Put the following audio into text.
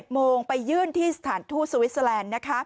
๑๑โมงไปยื่นที่สถานทูตสวิสเซอลันด์